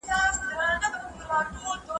راتلونکی فعالیت کمزوری کېږي